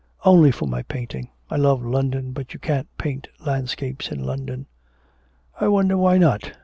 'Only for my painting. I love London, but you can't paint landscapes in London.' 'I wonder why not.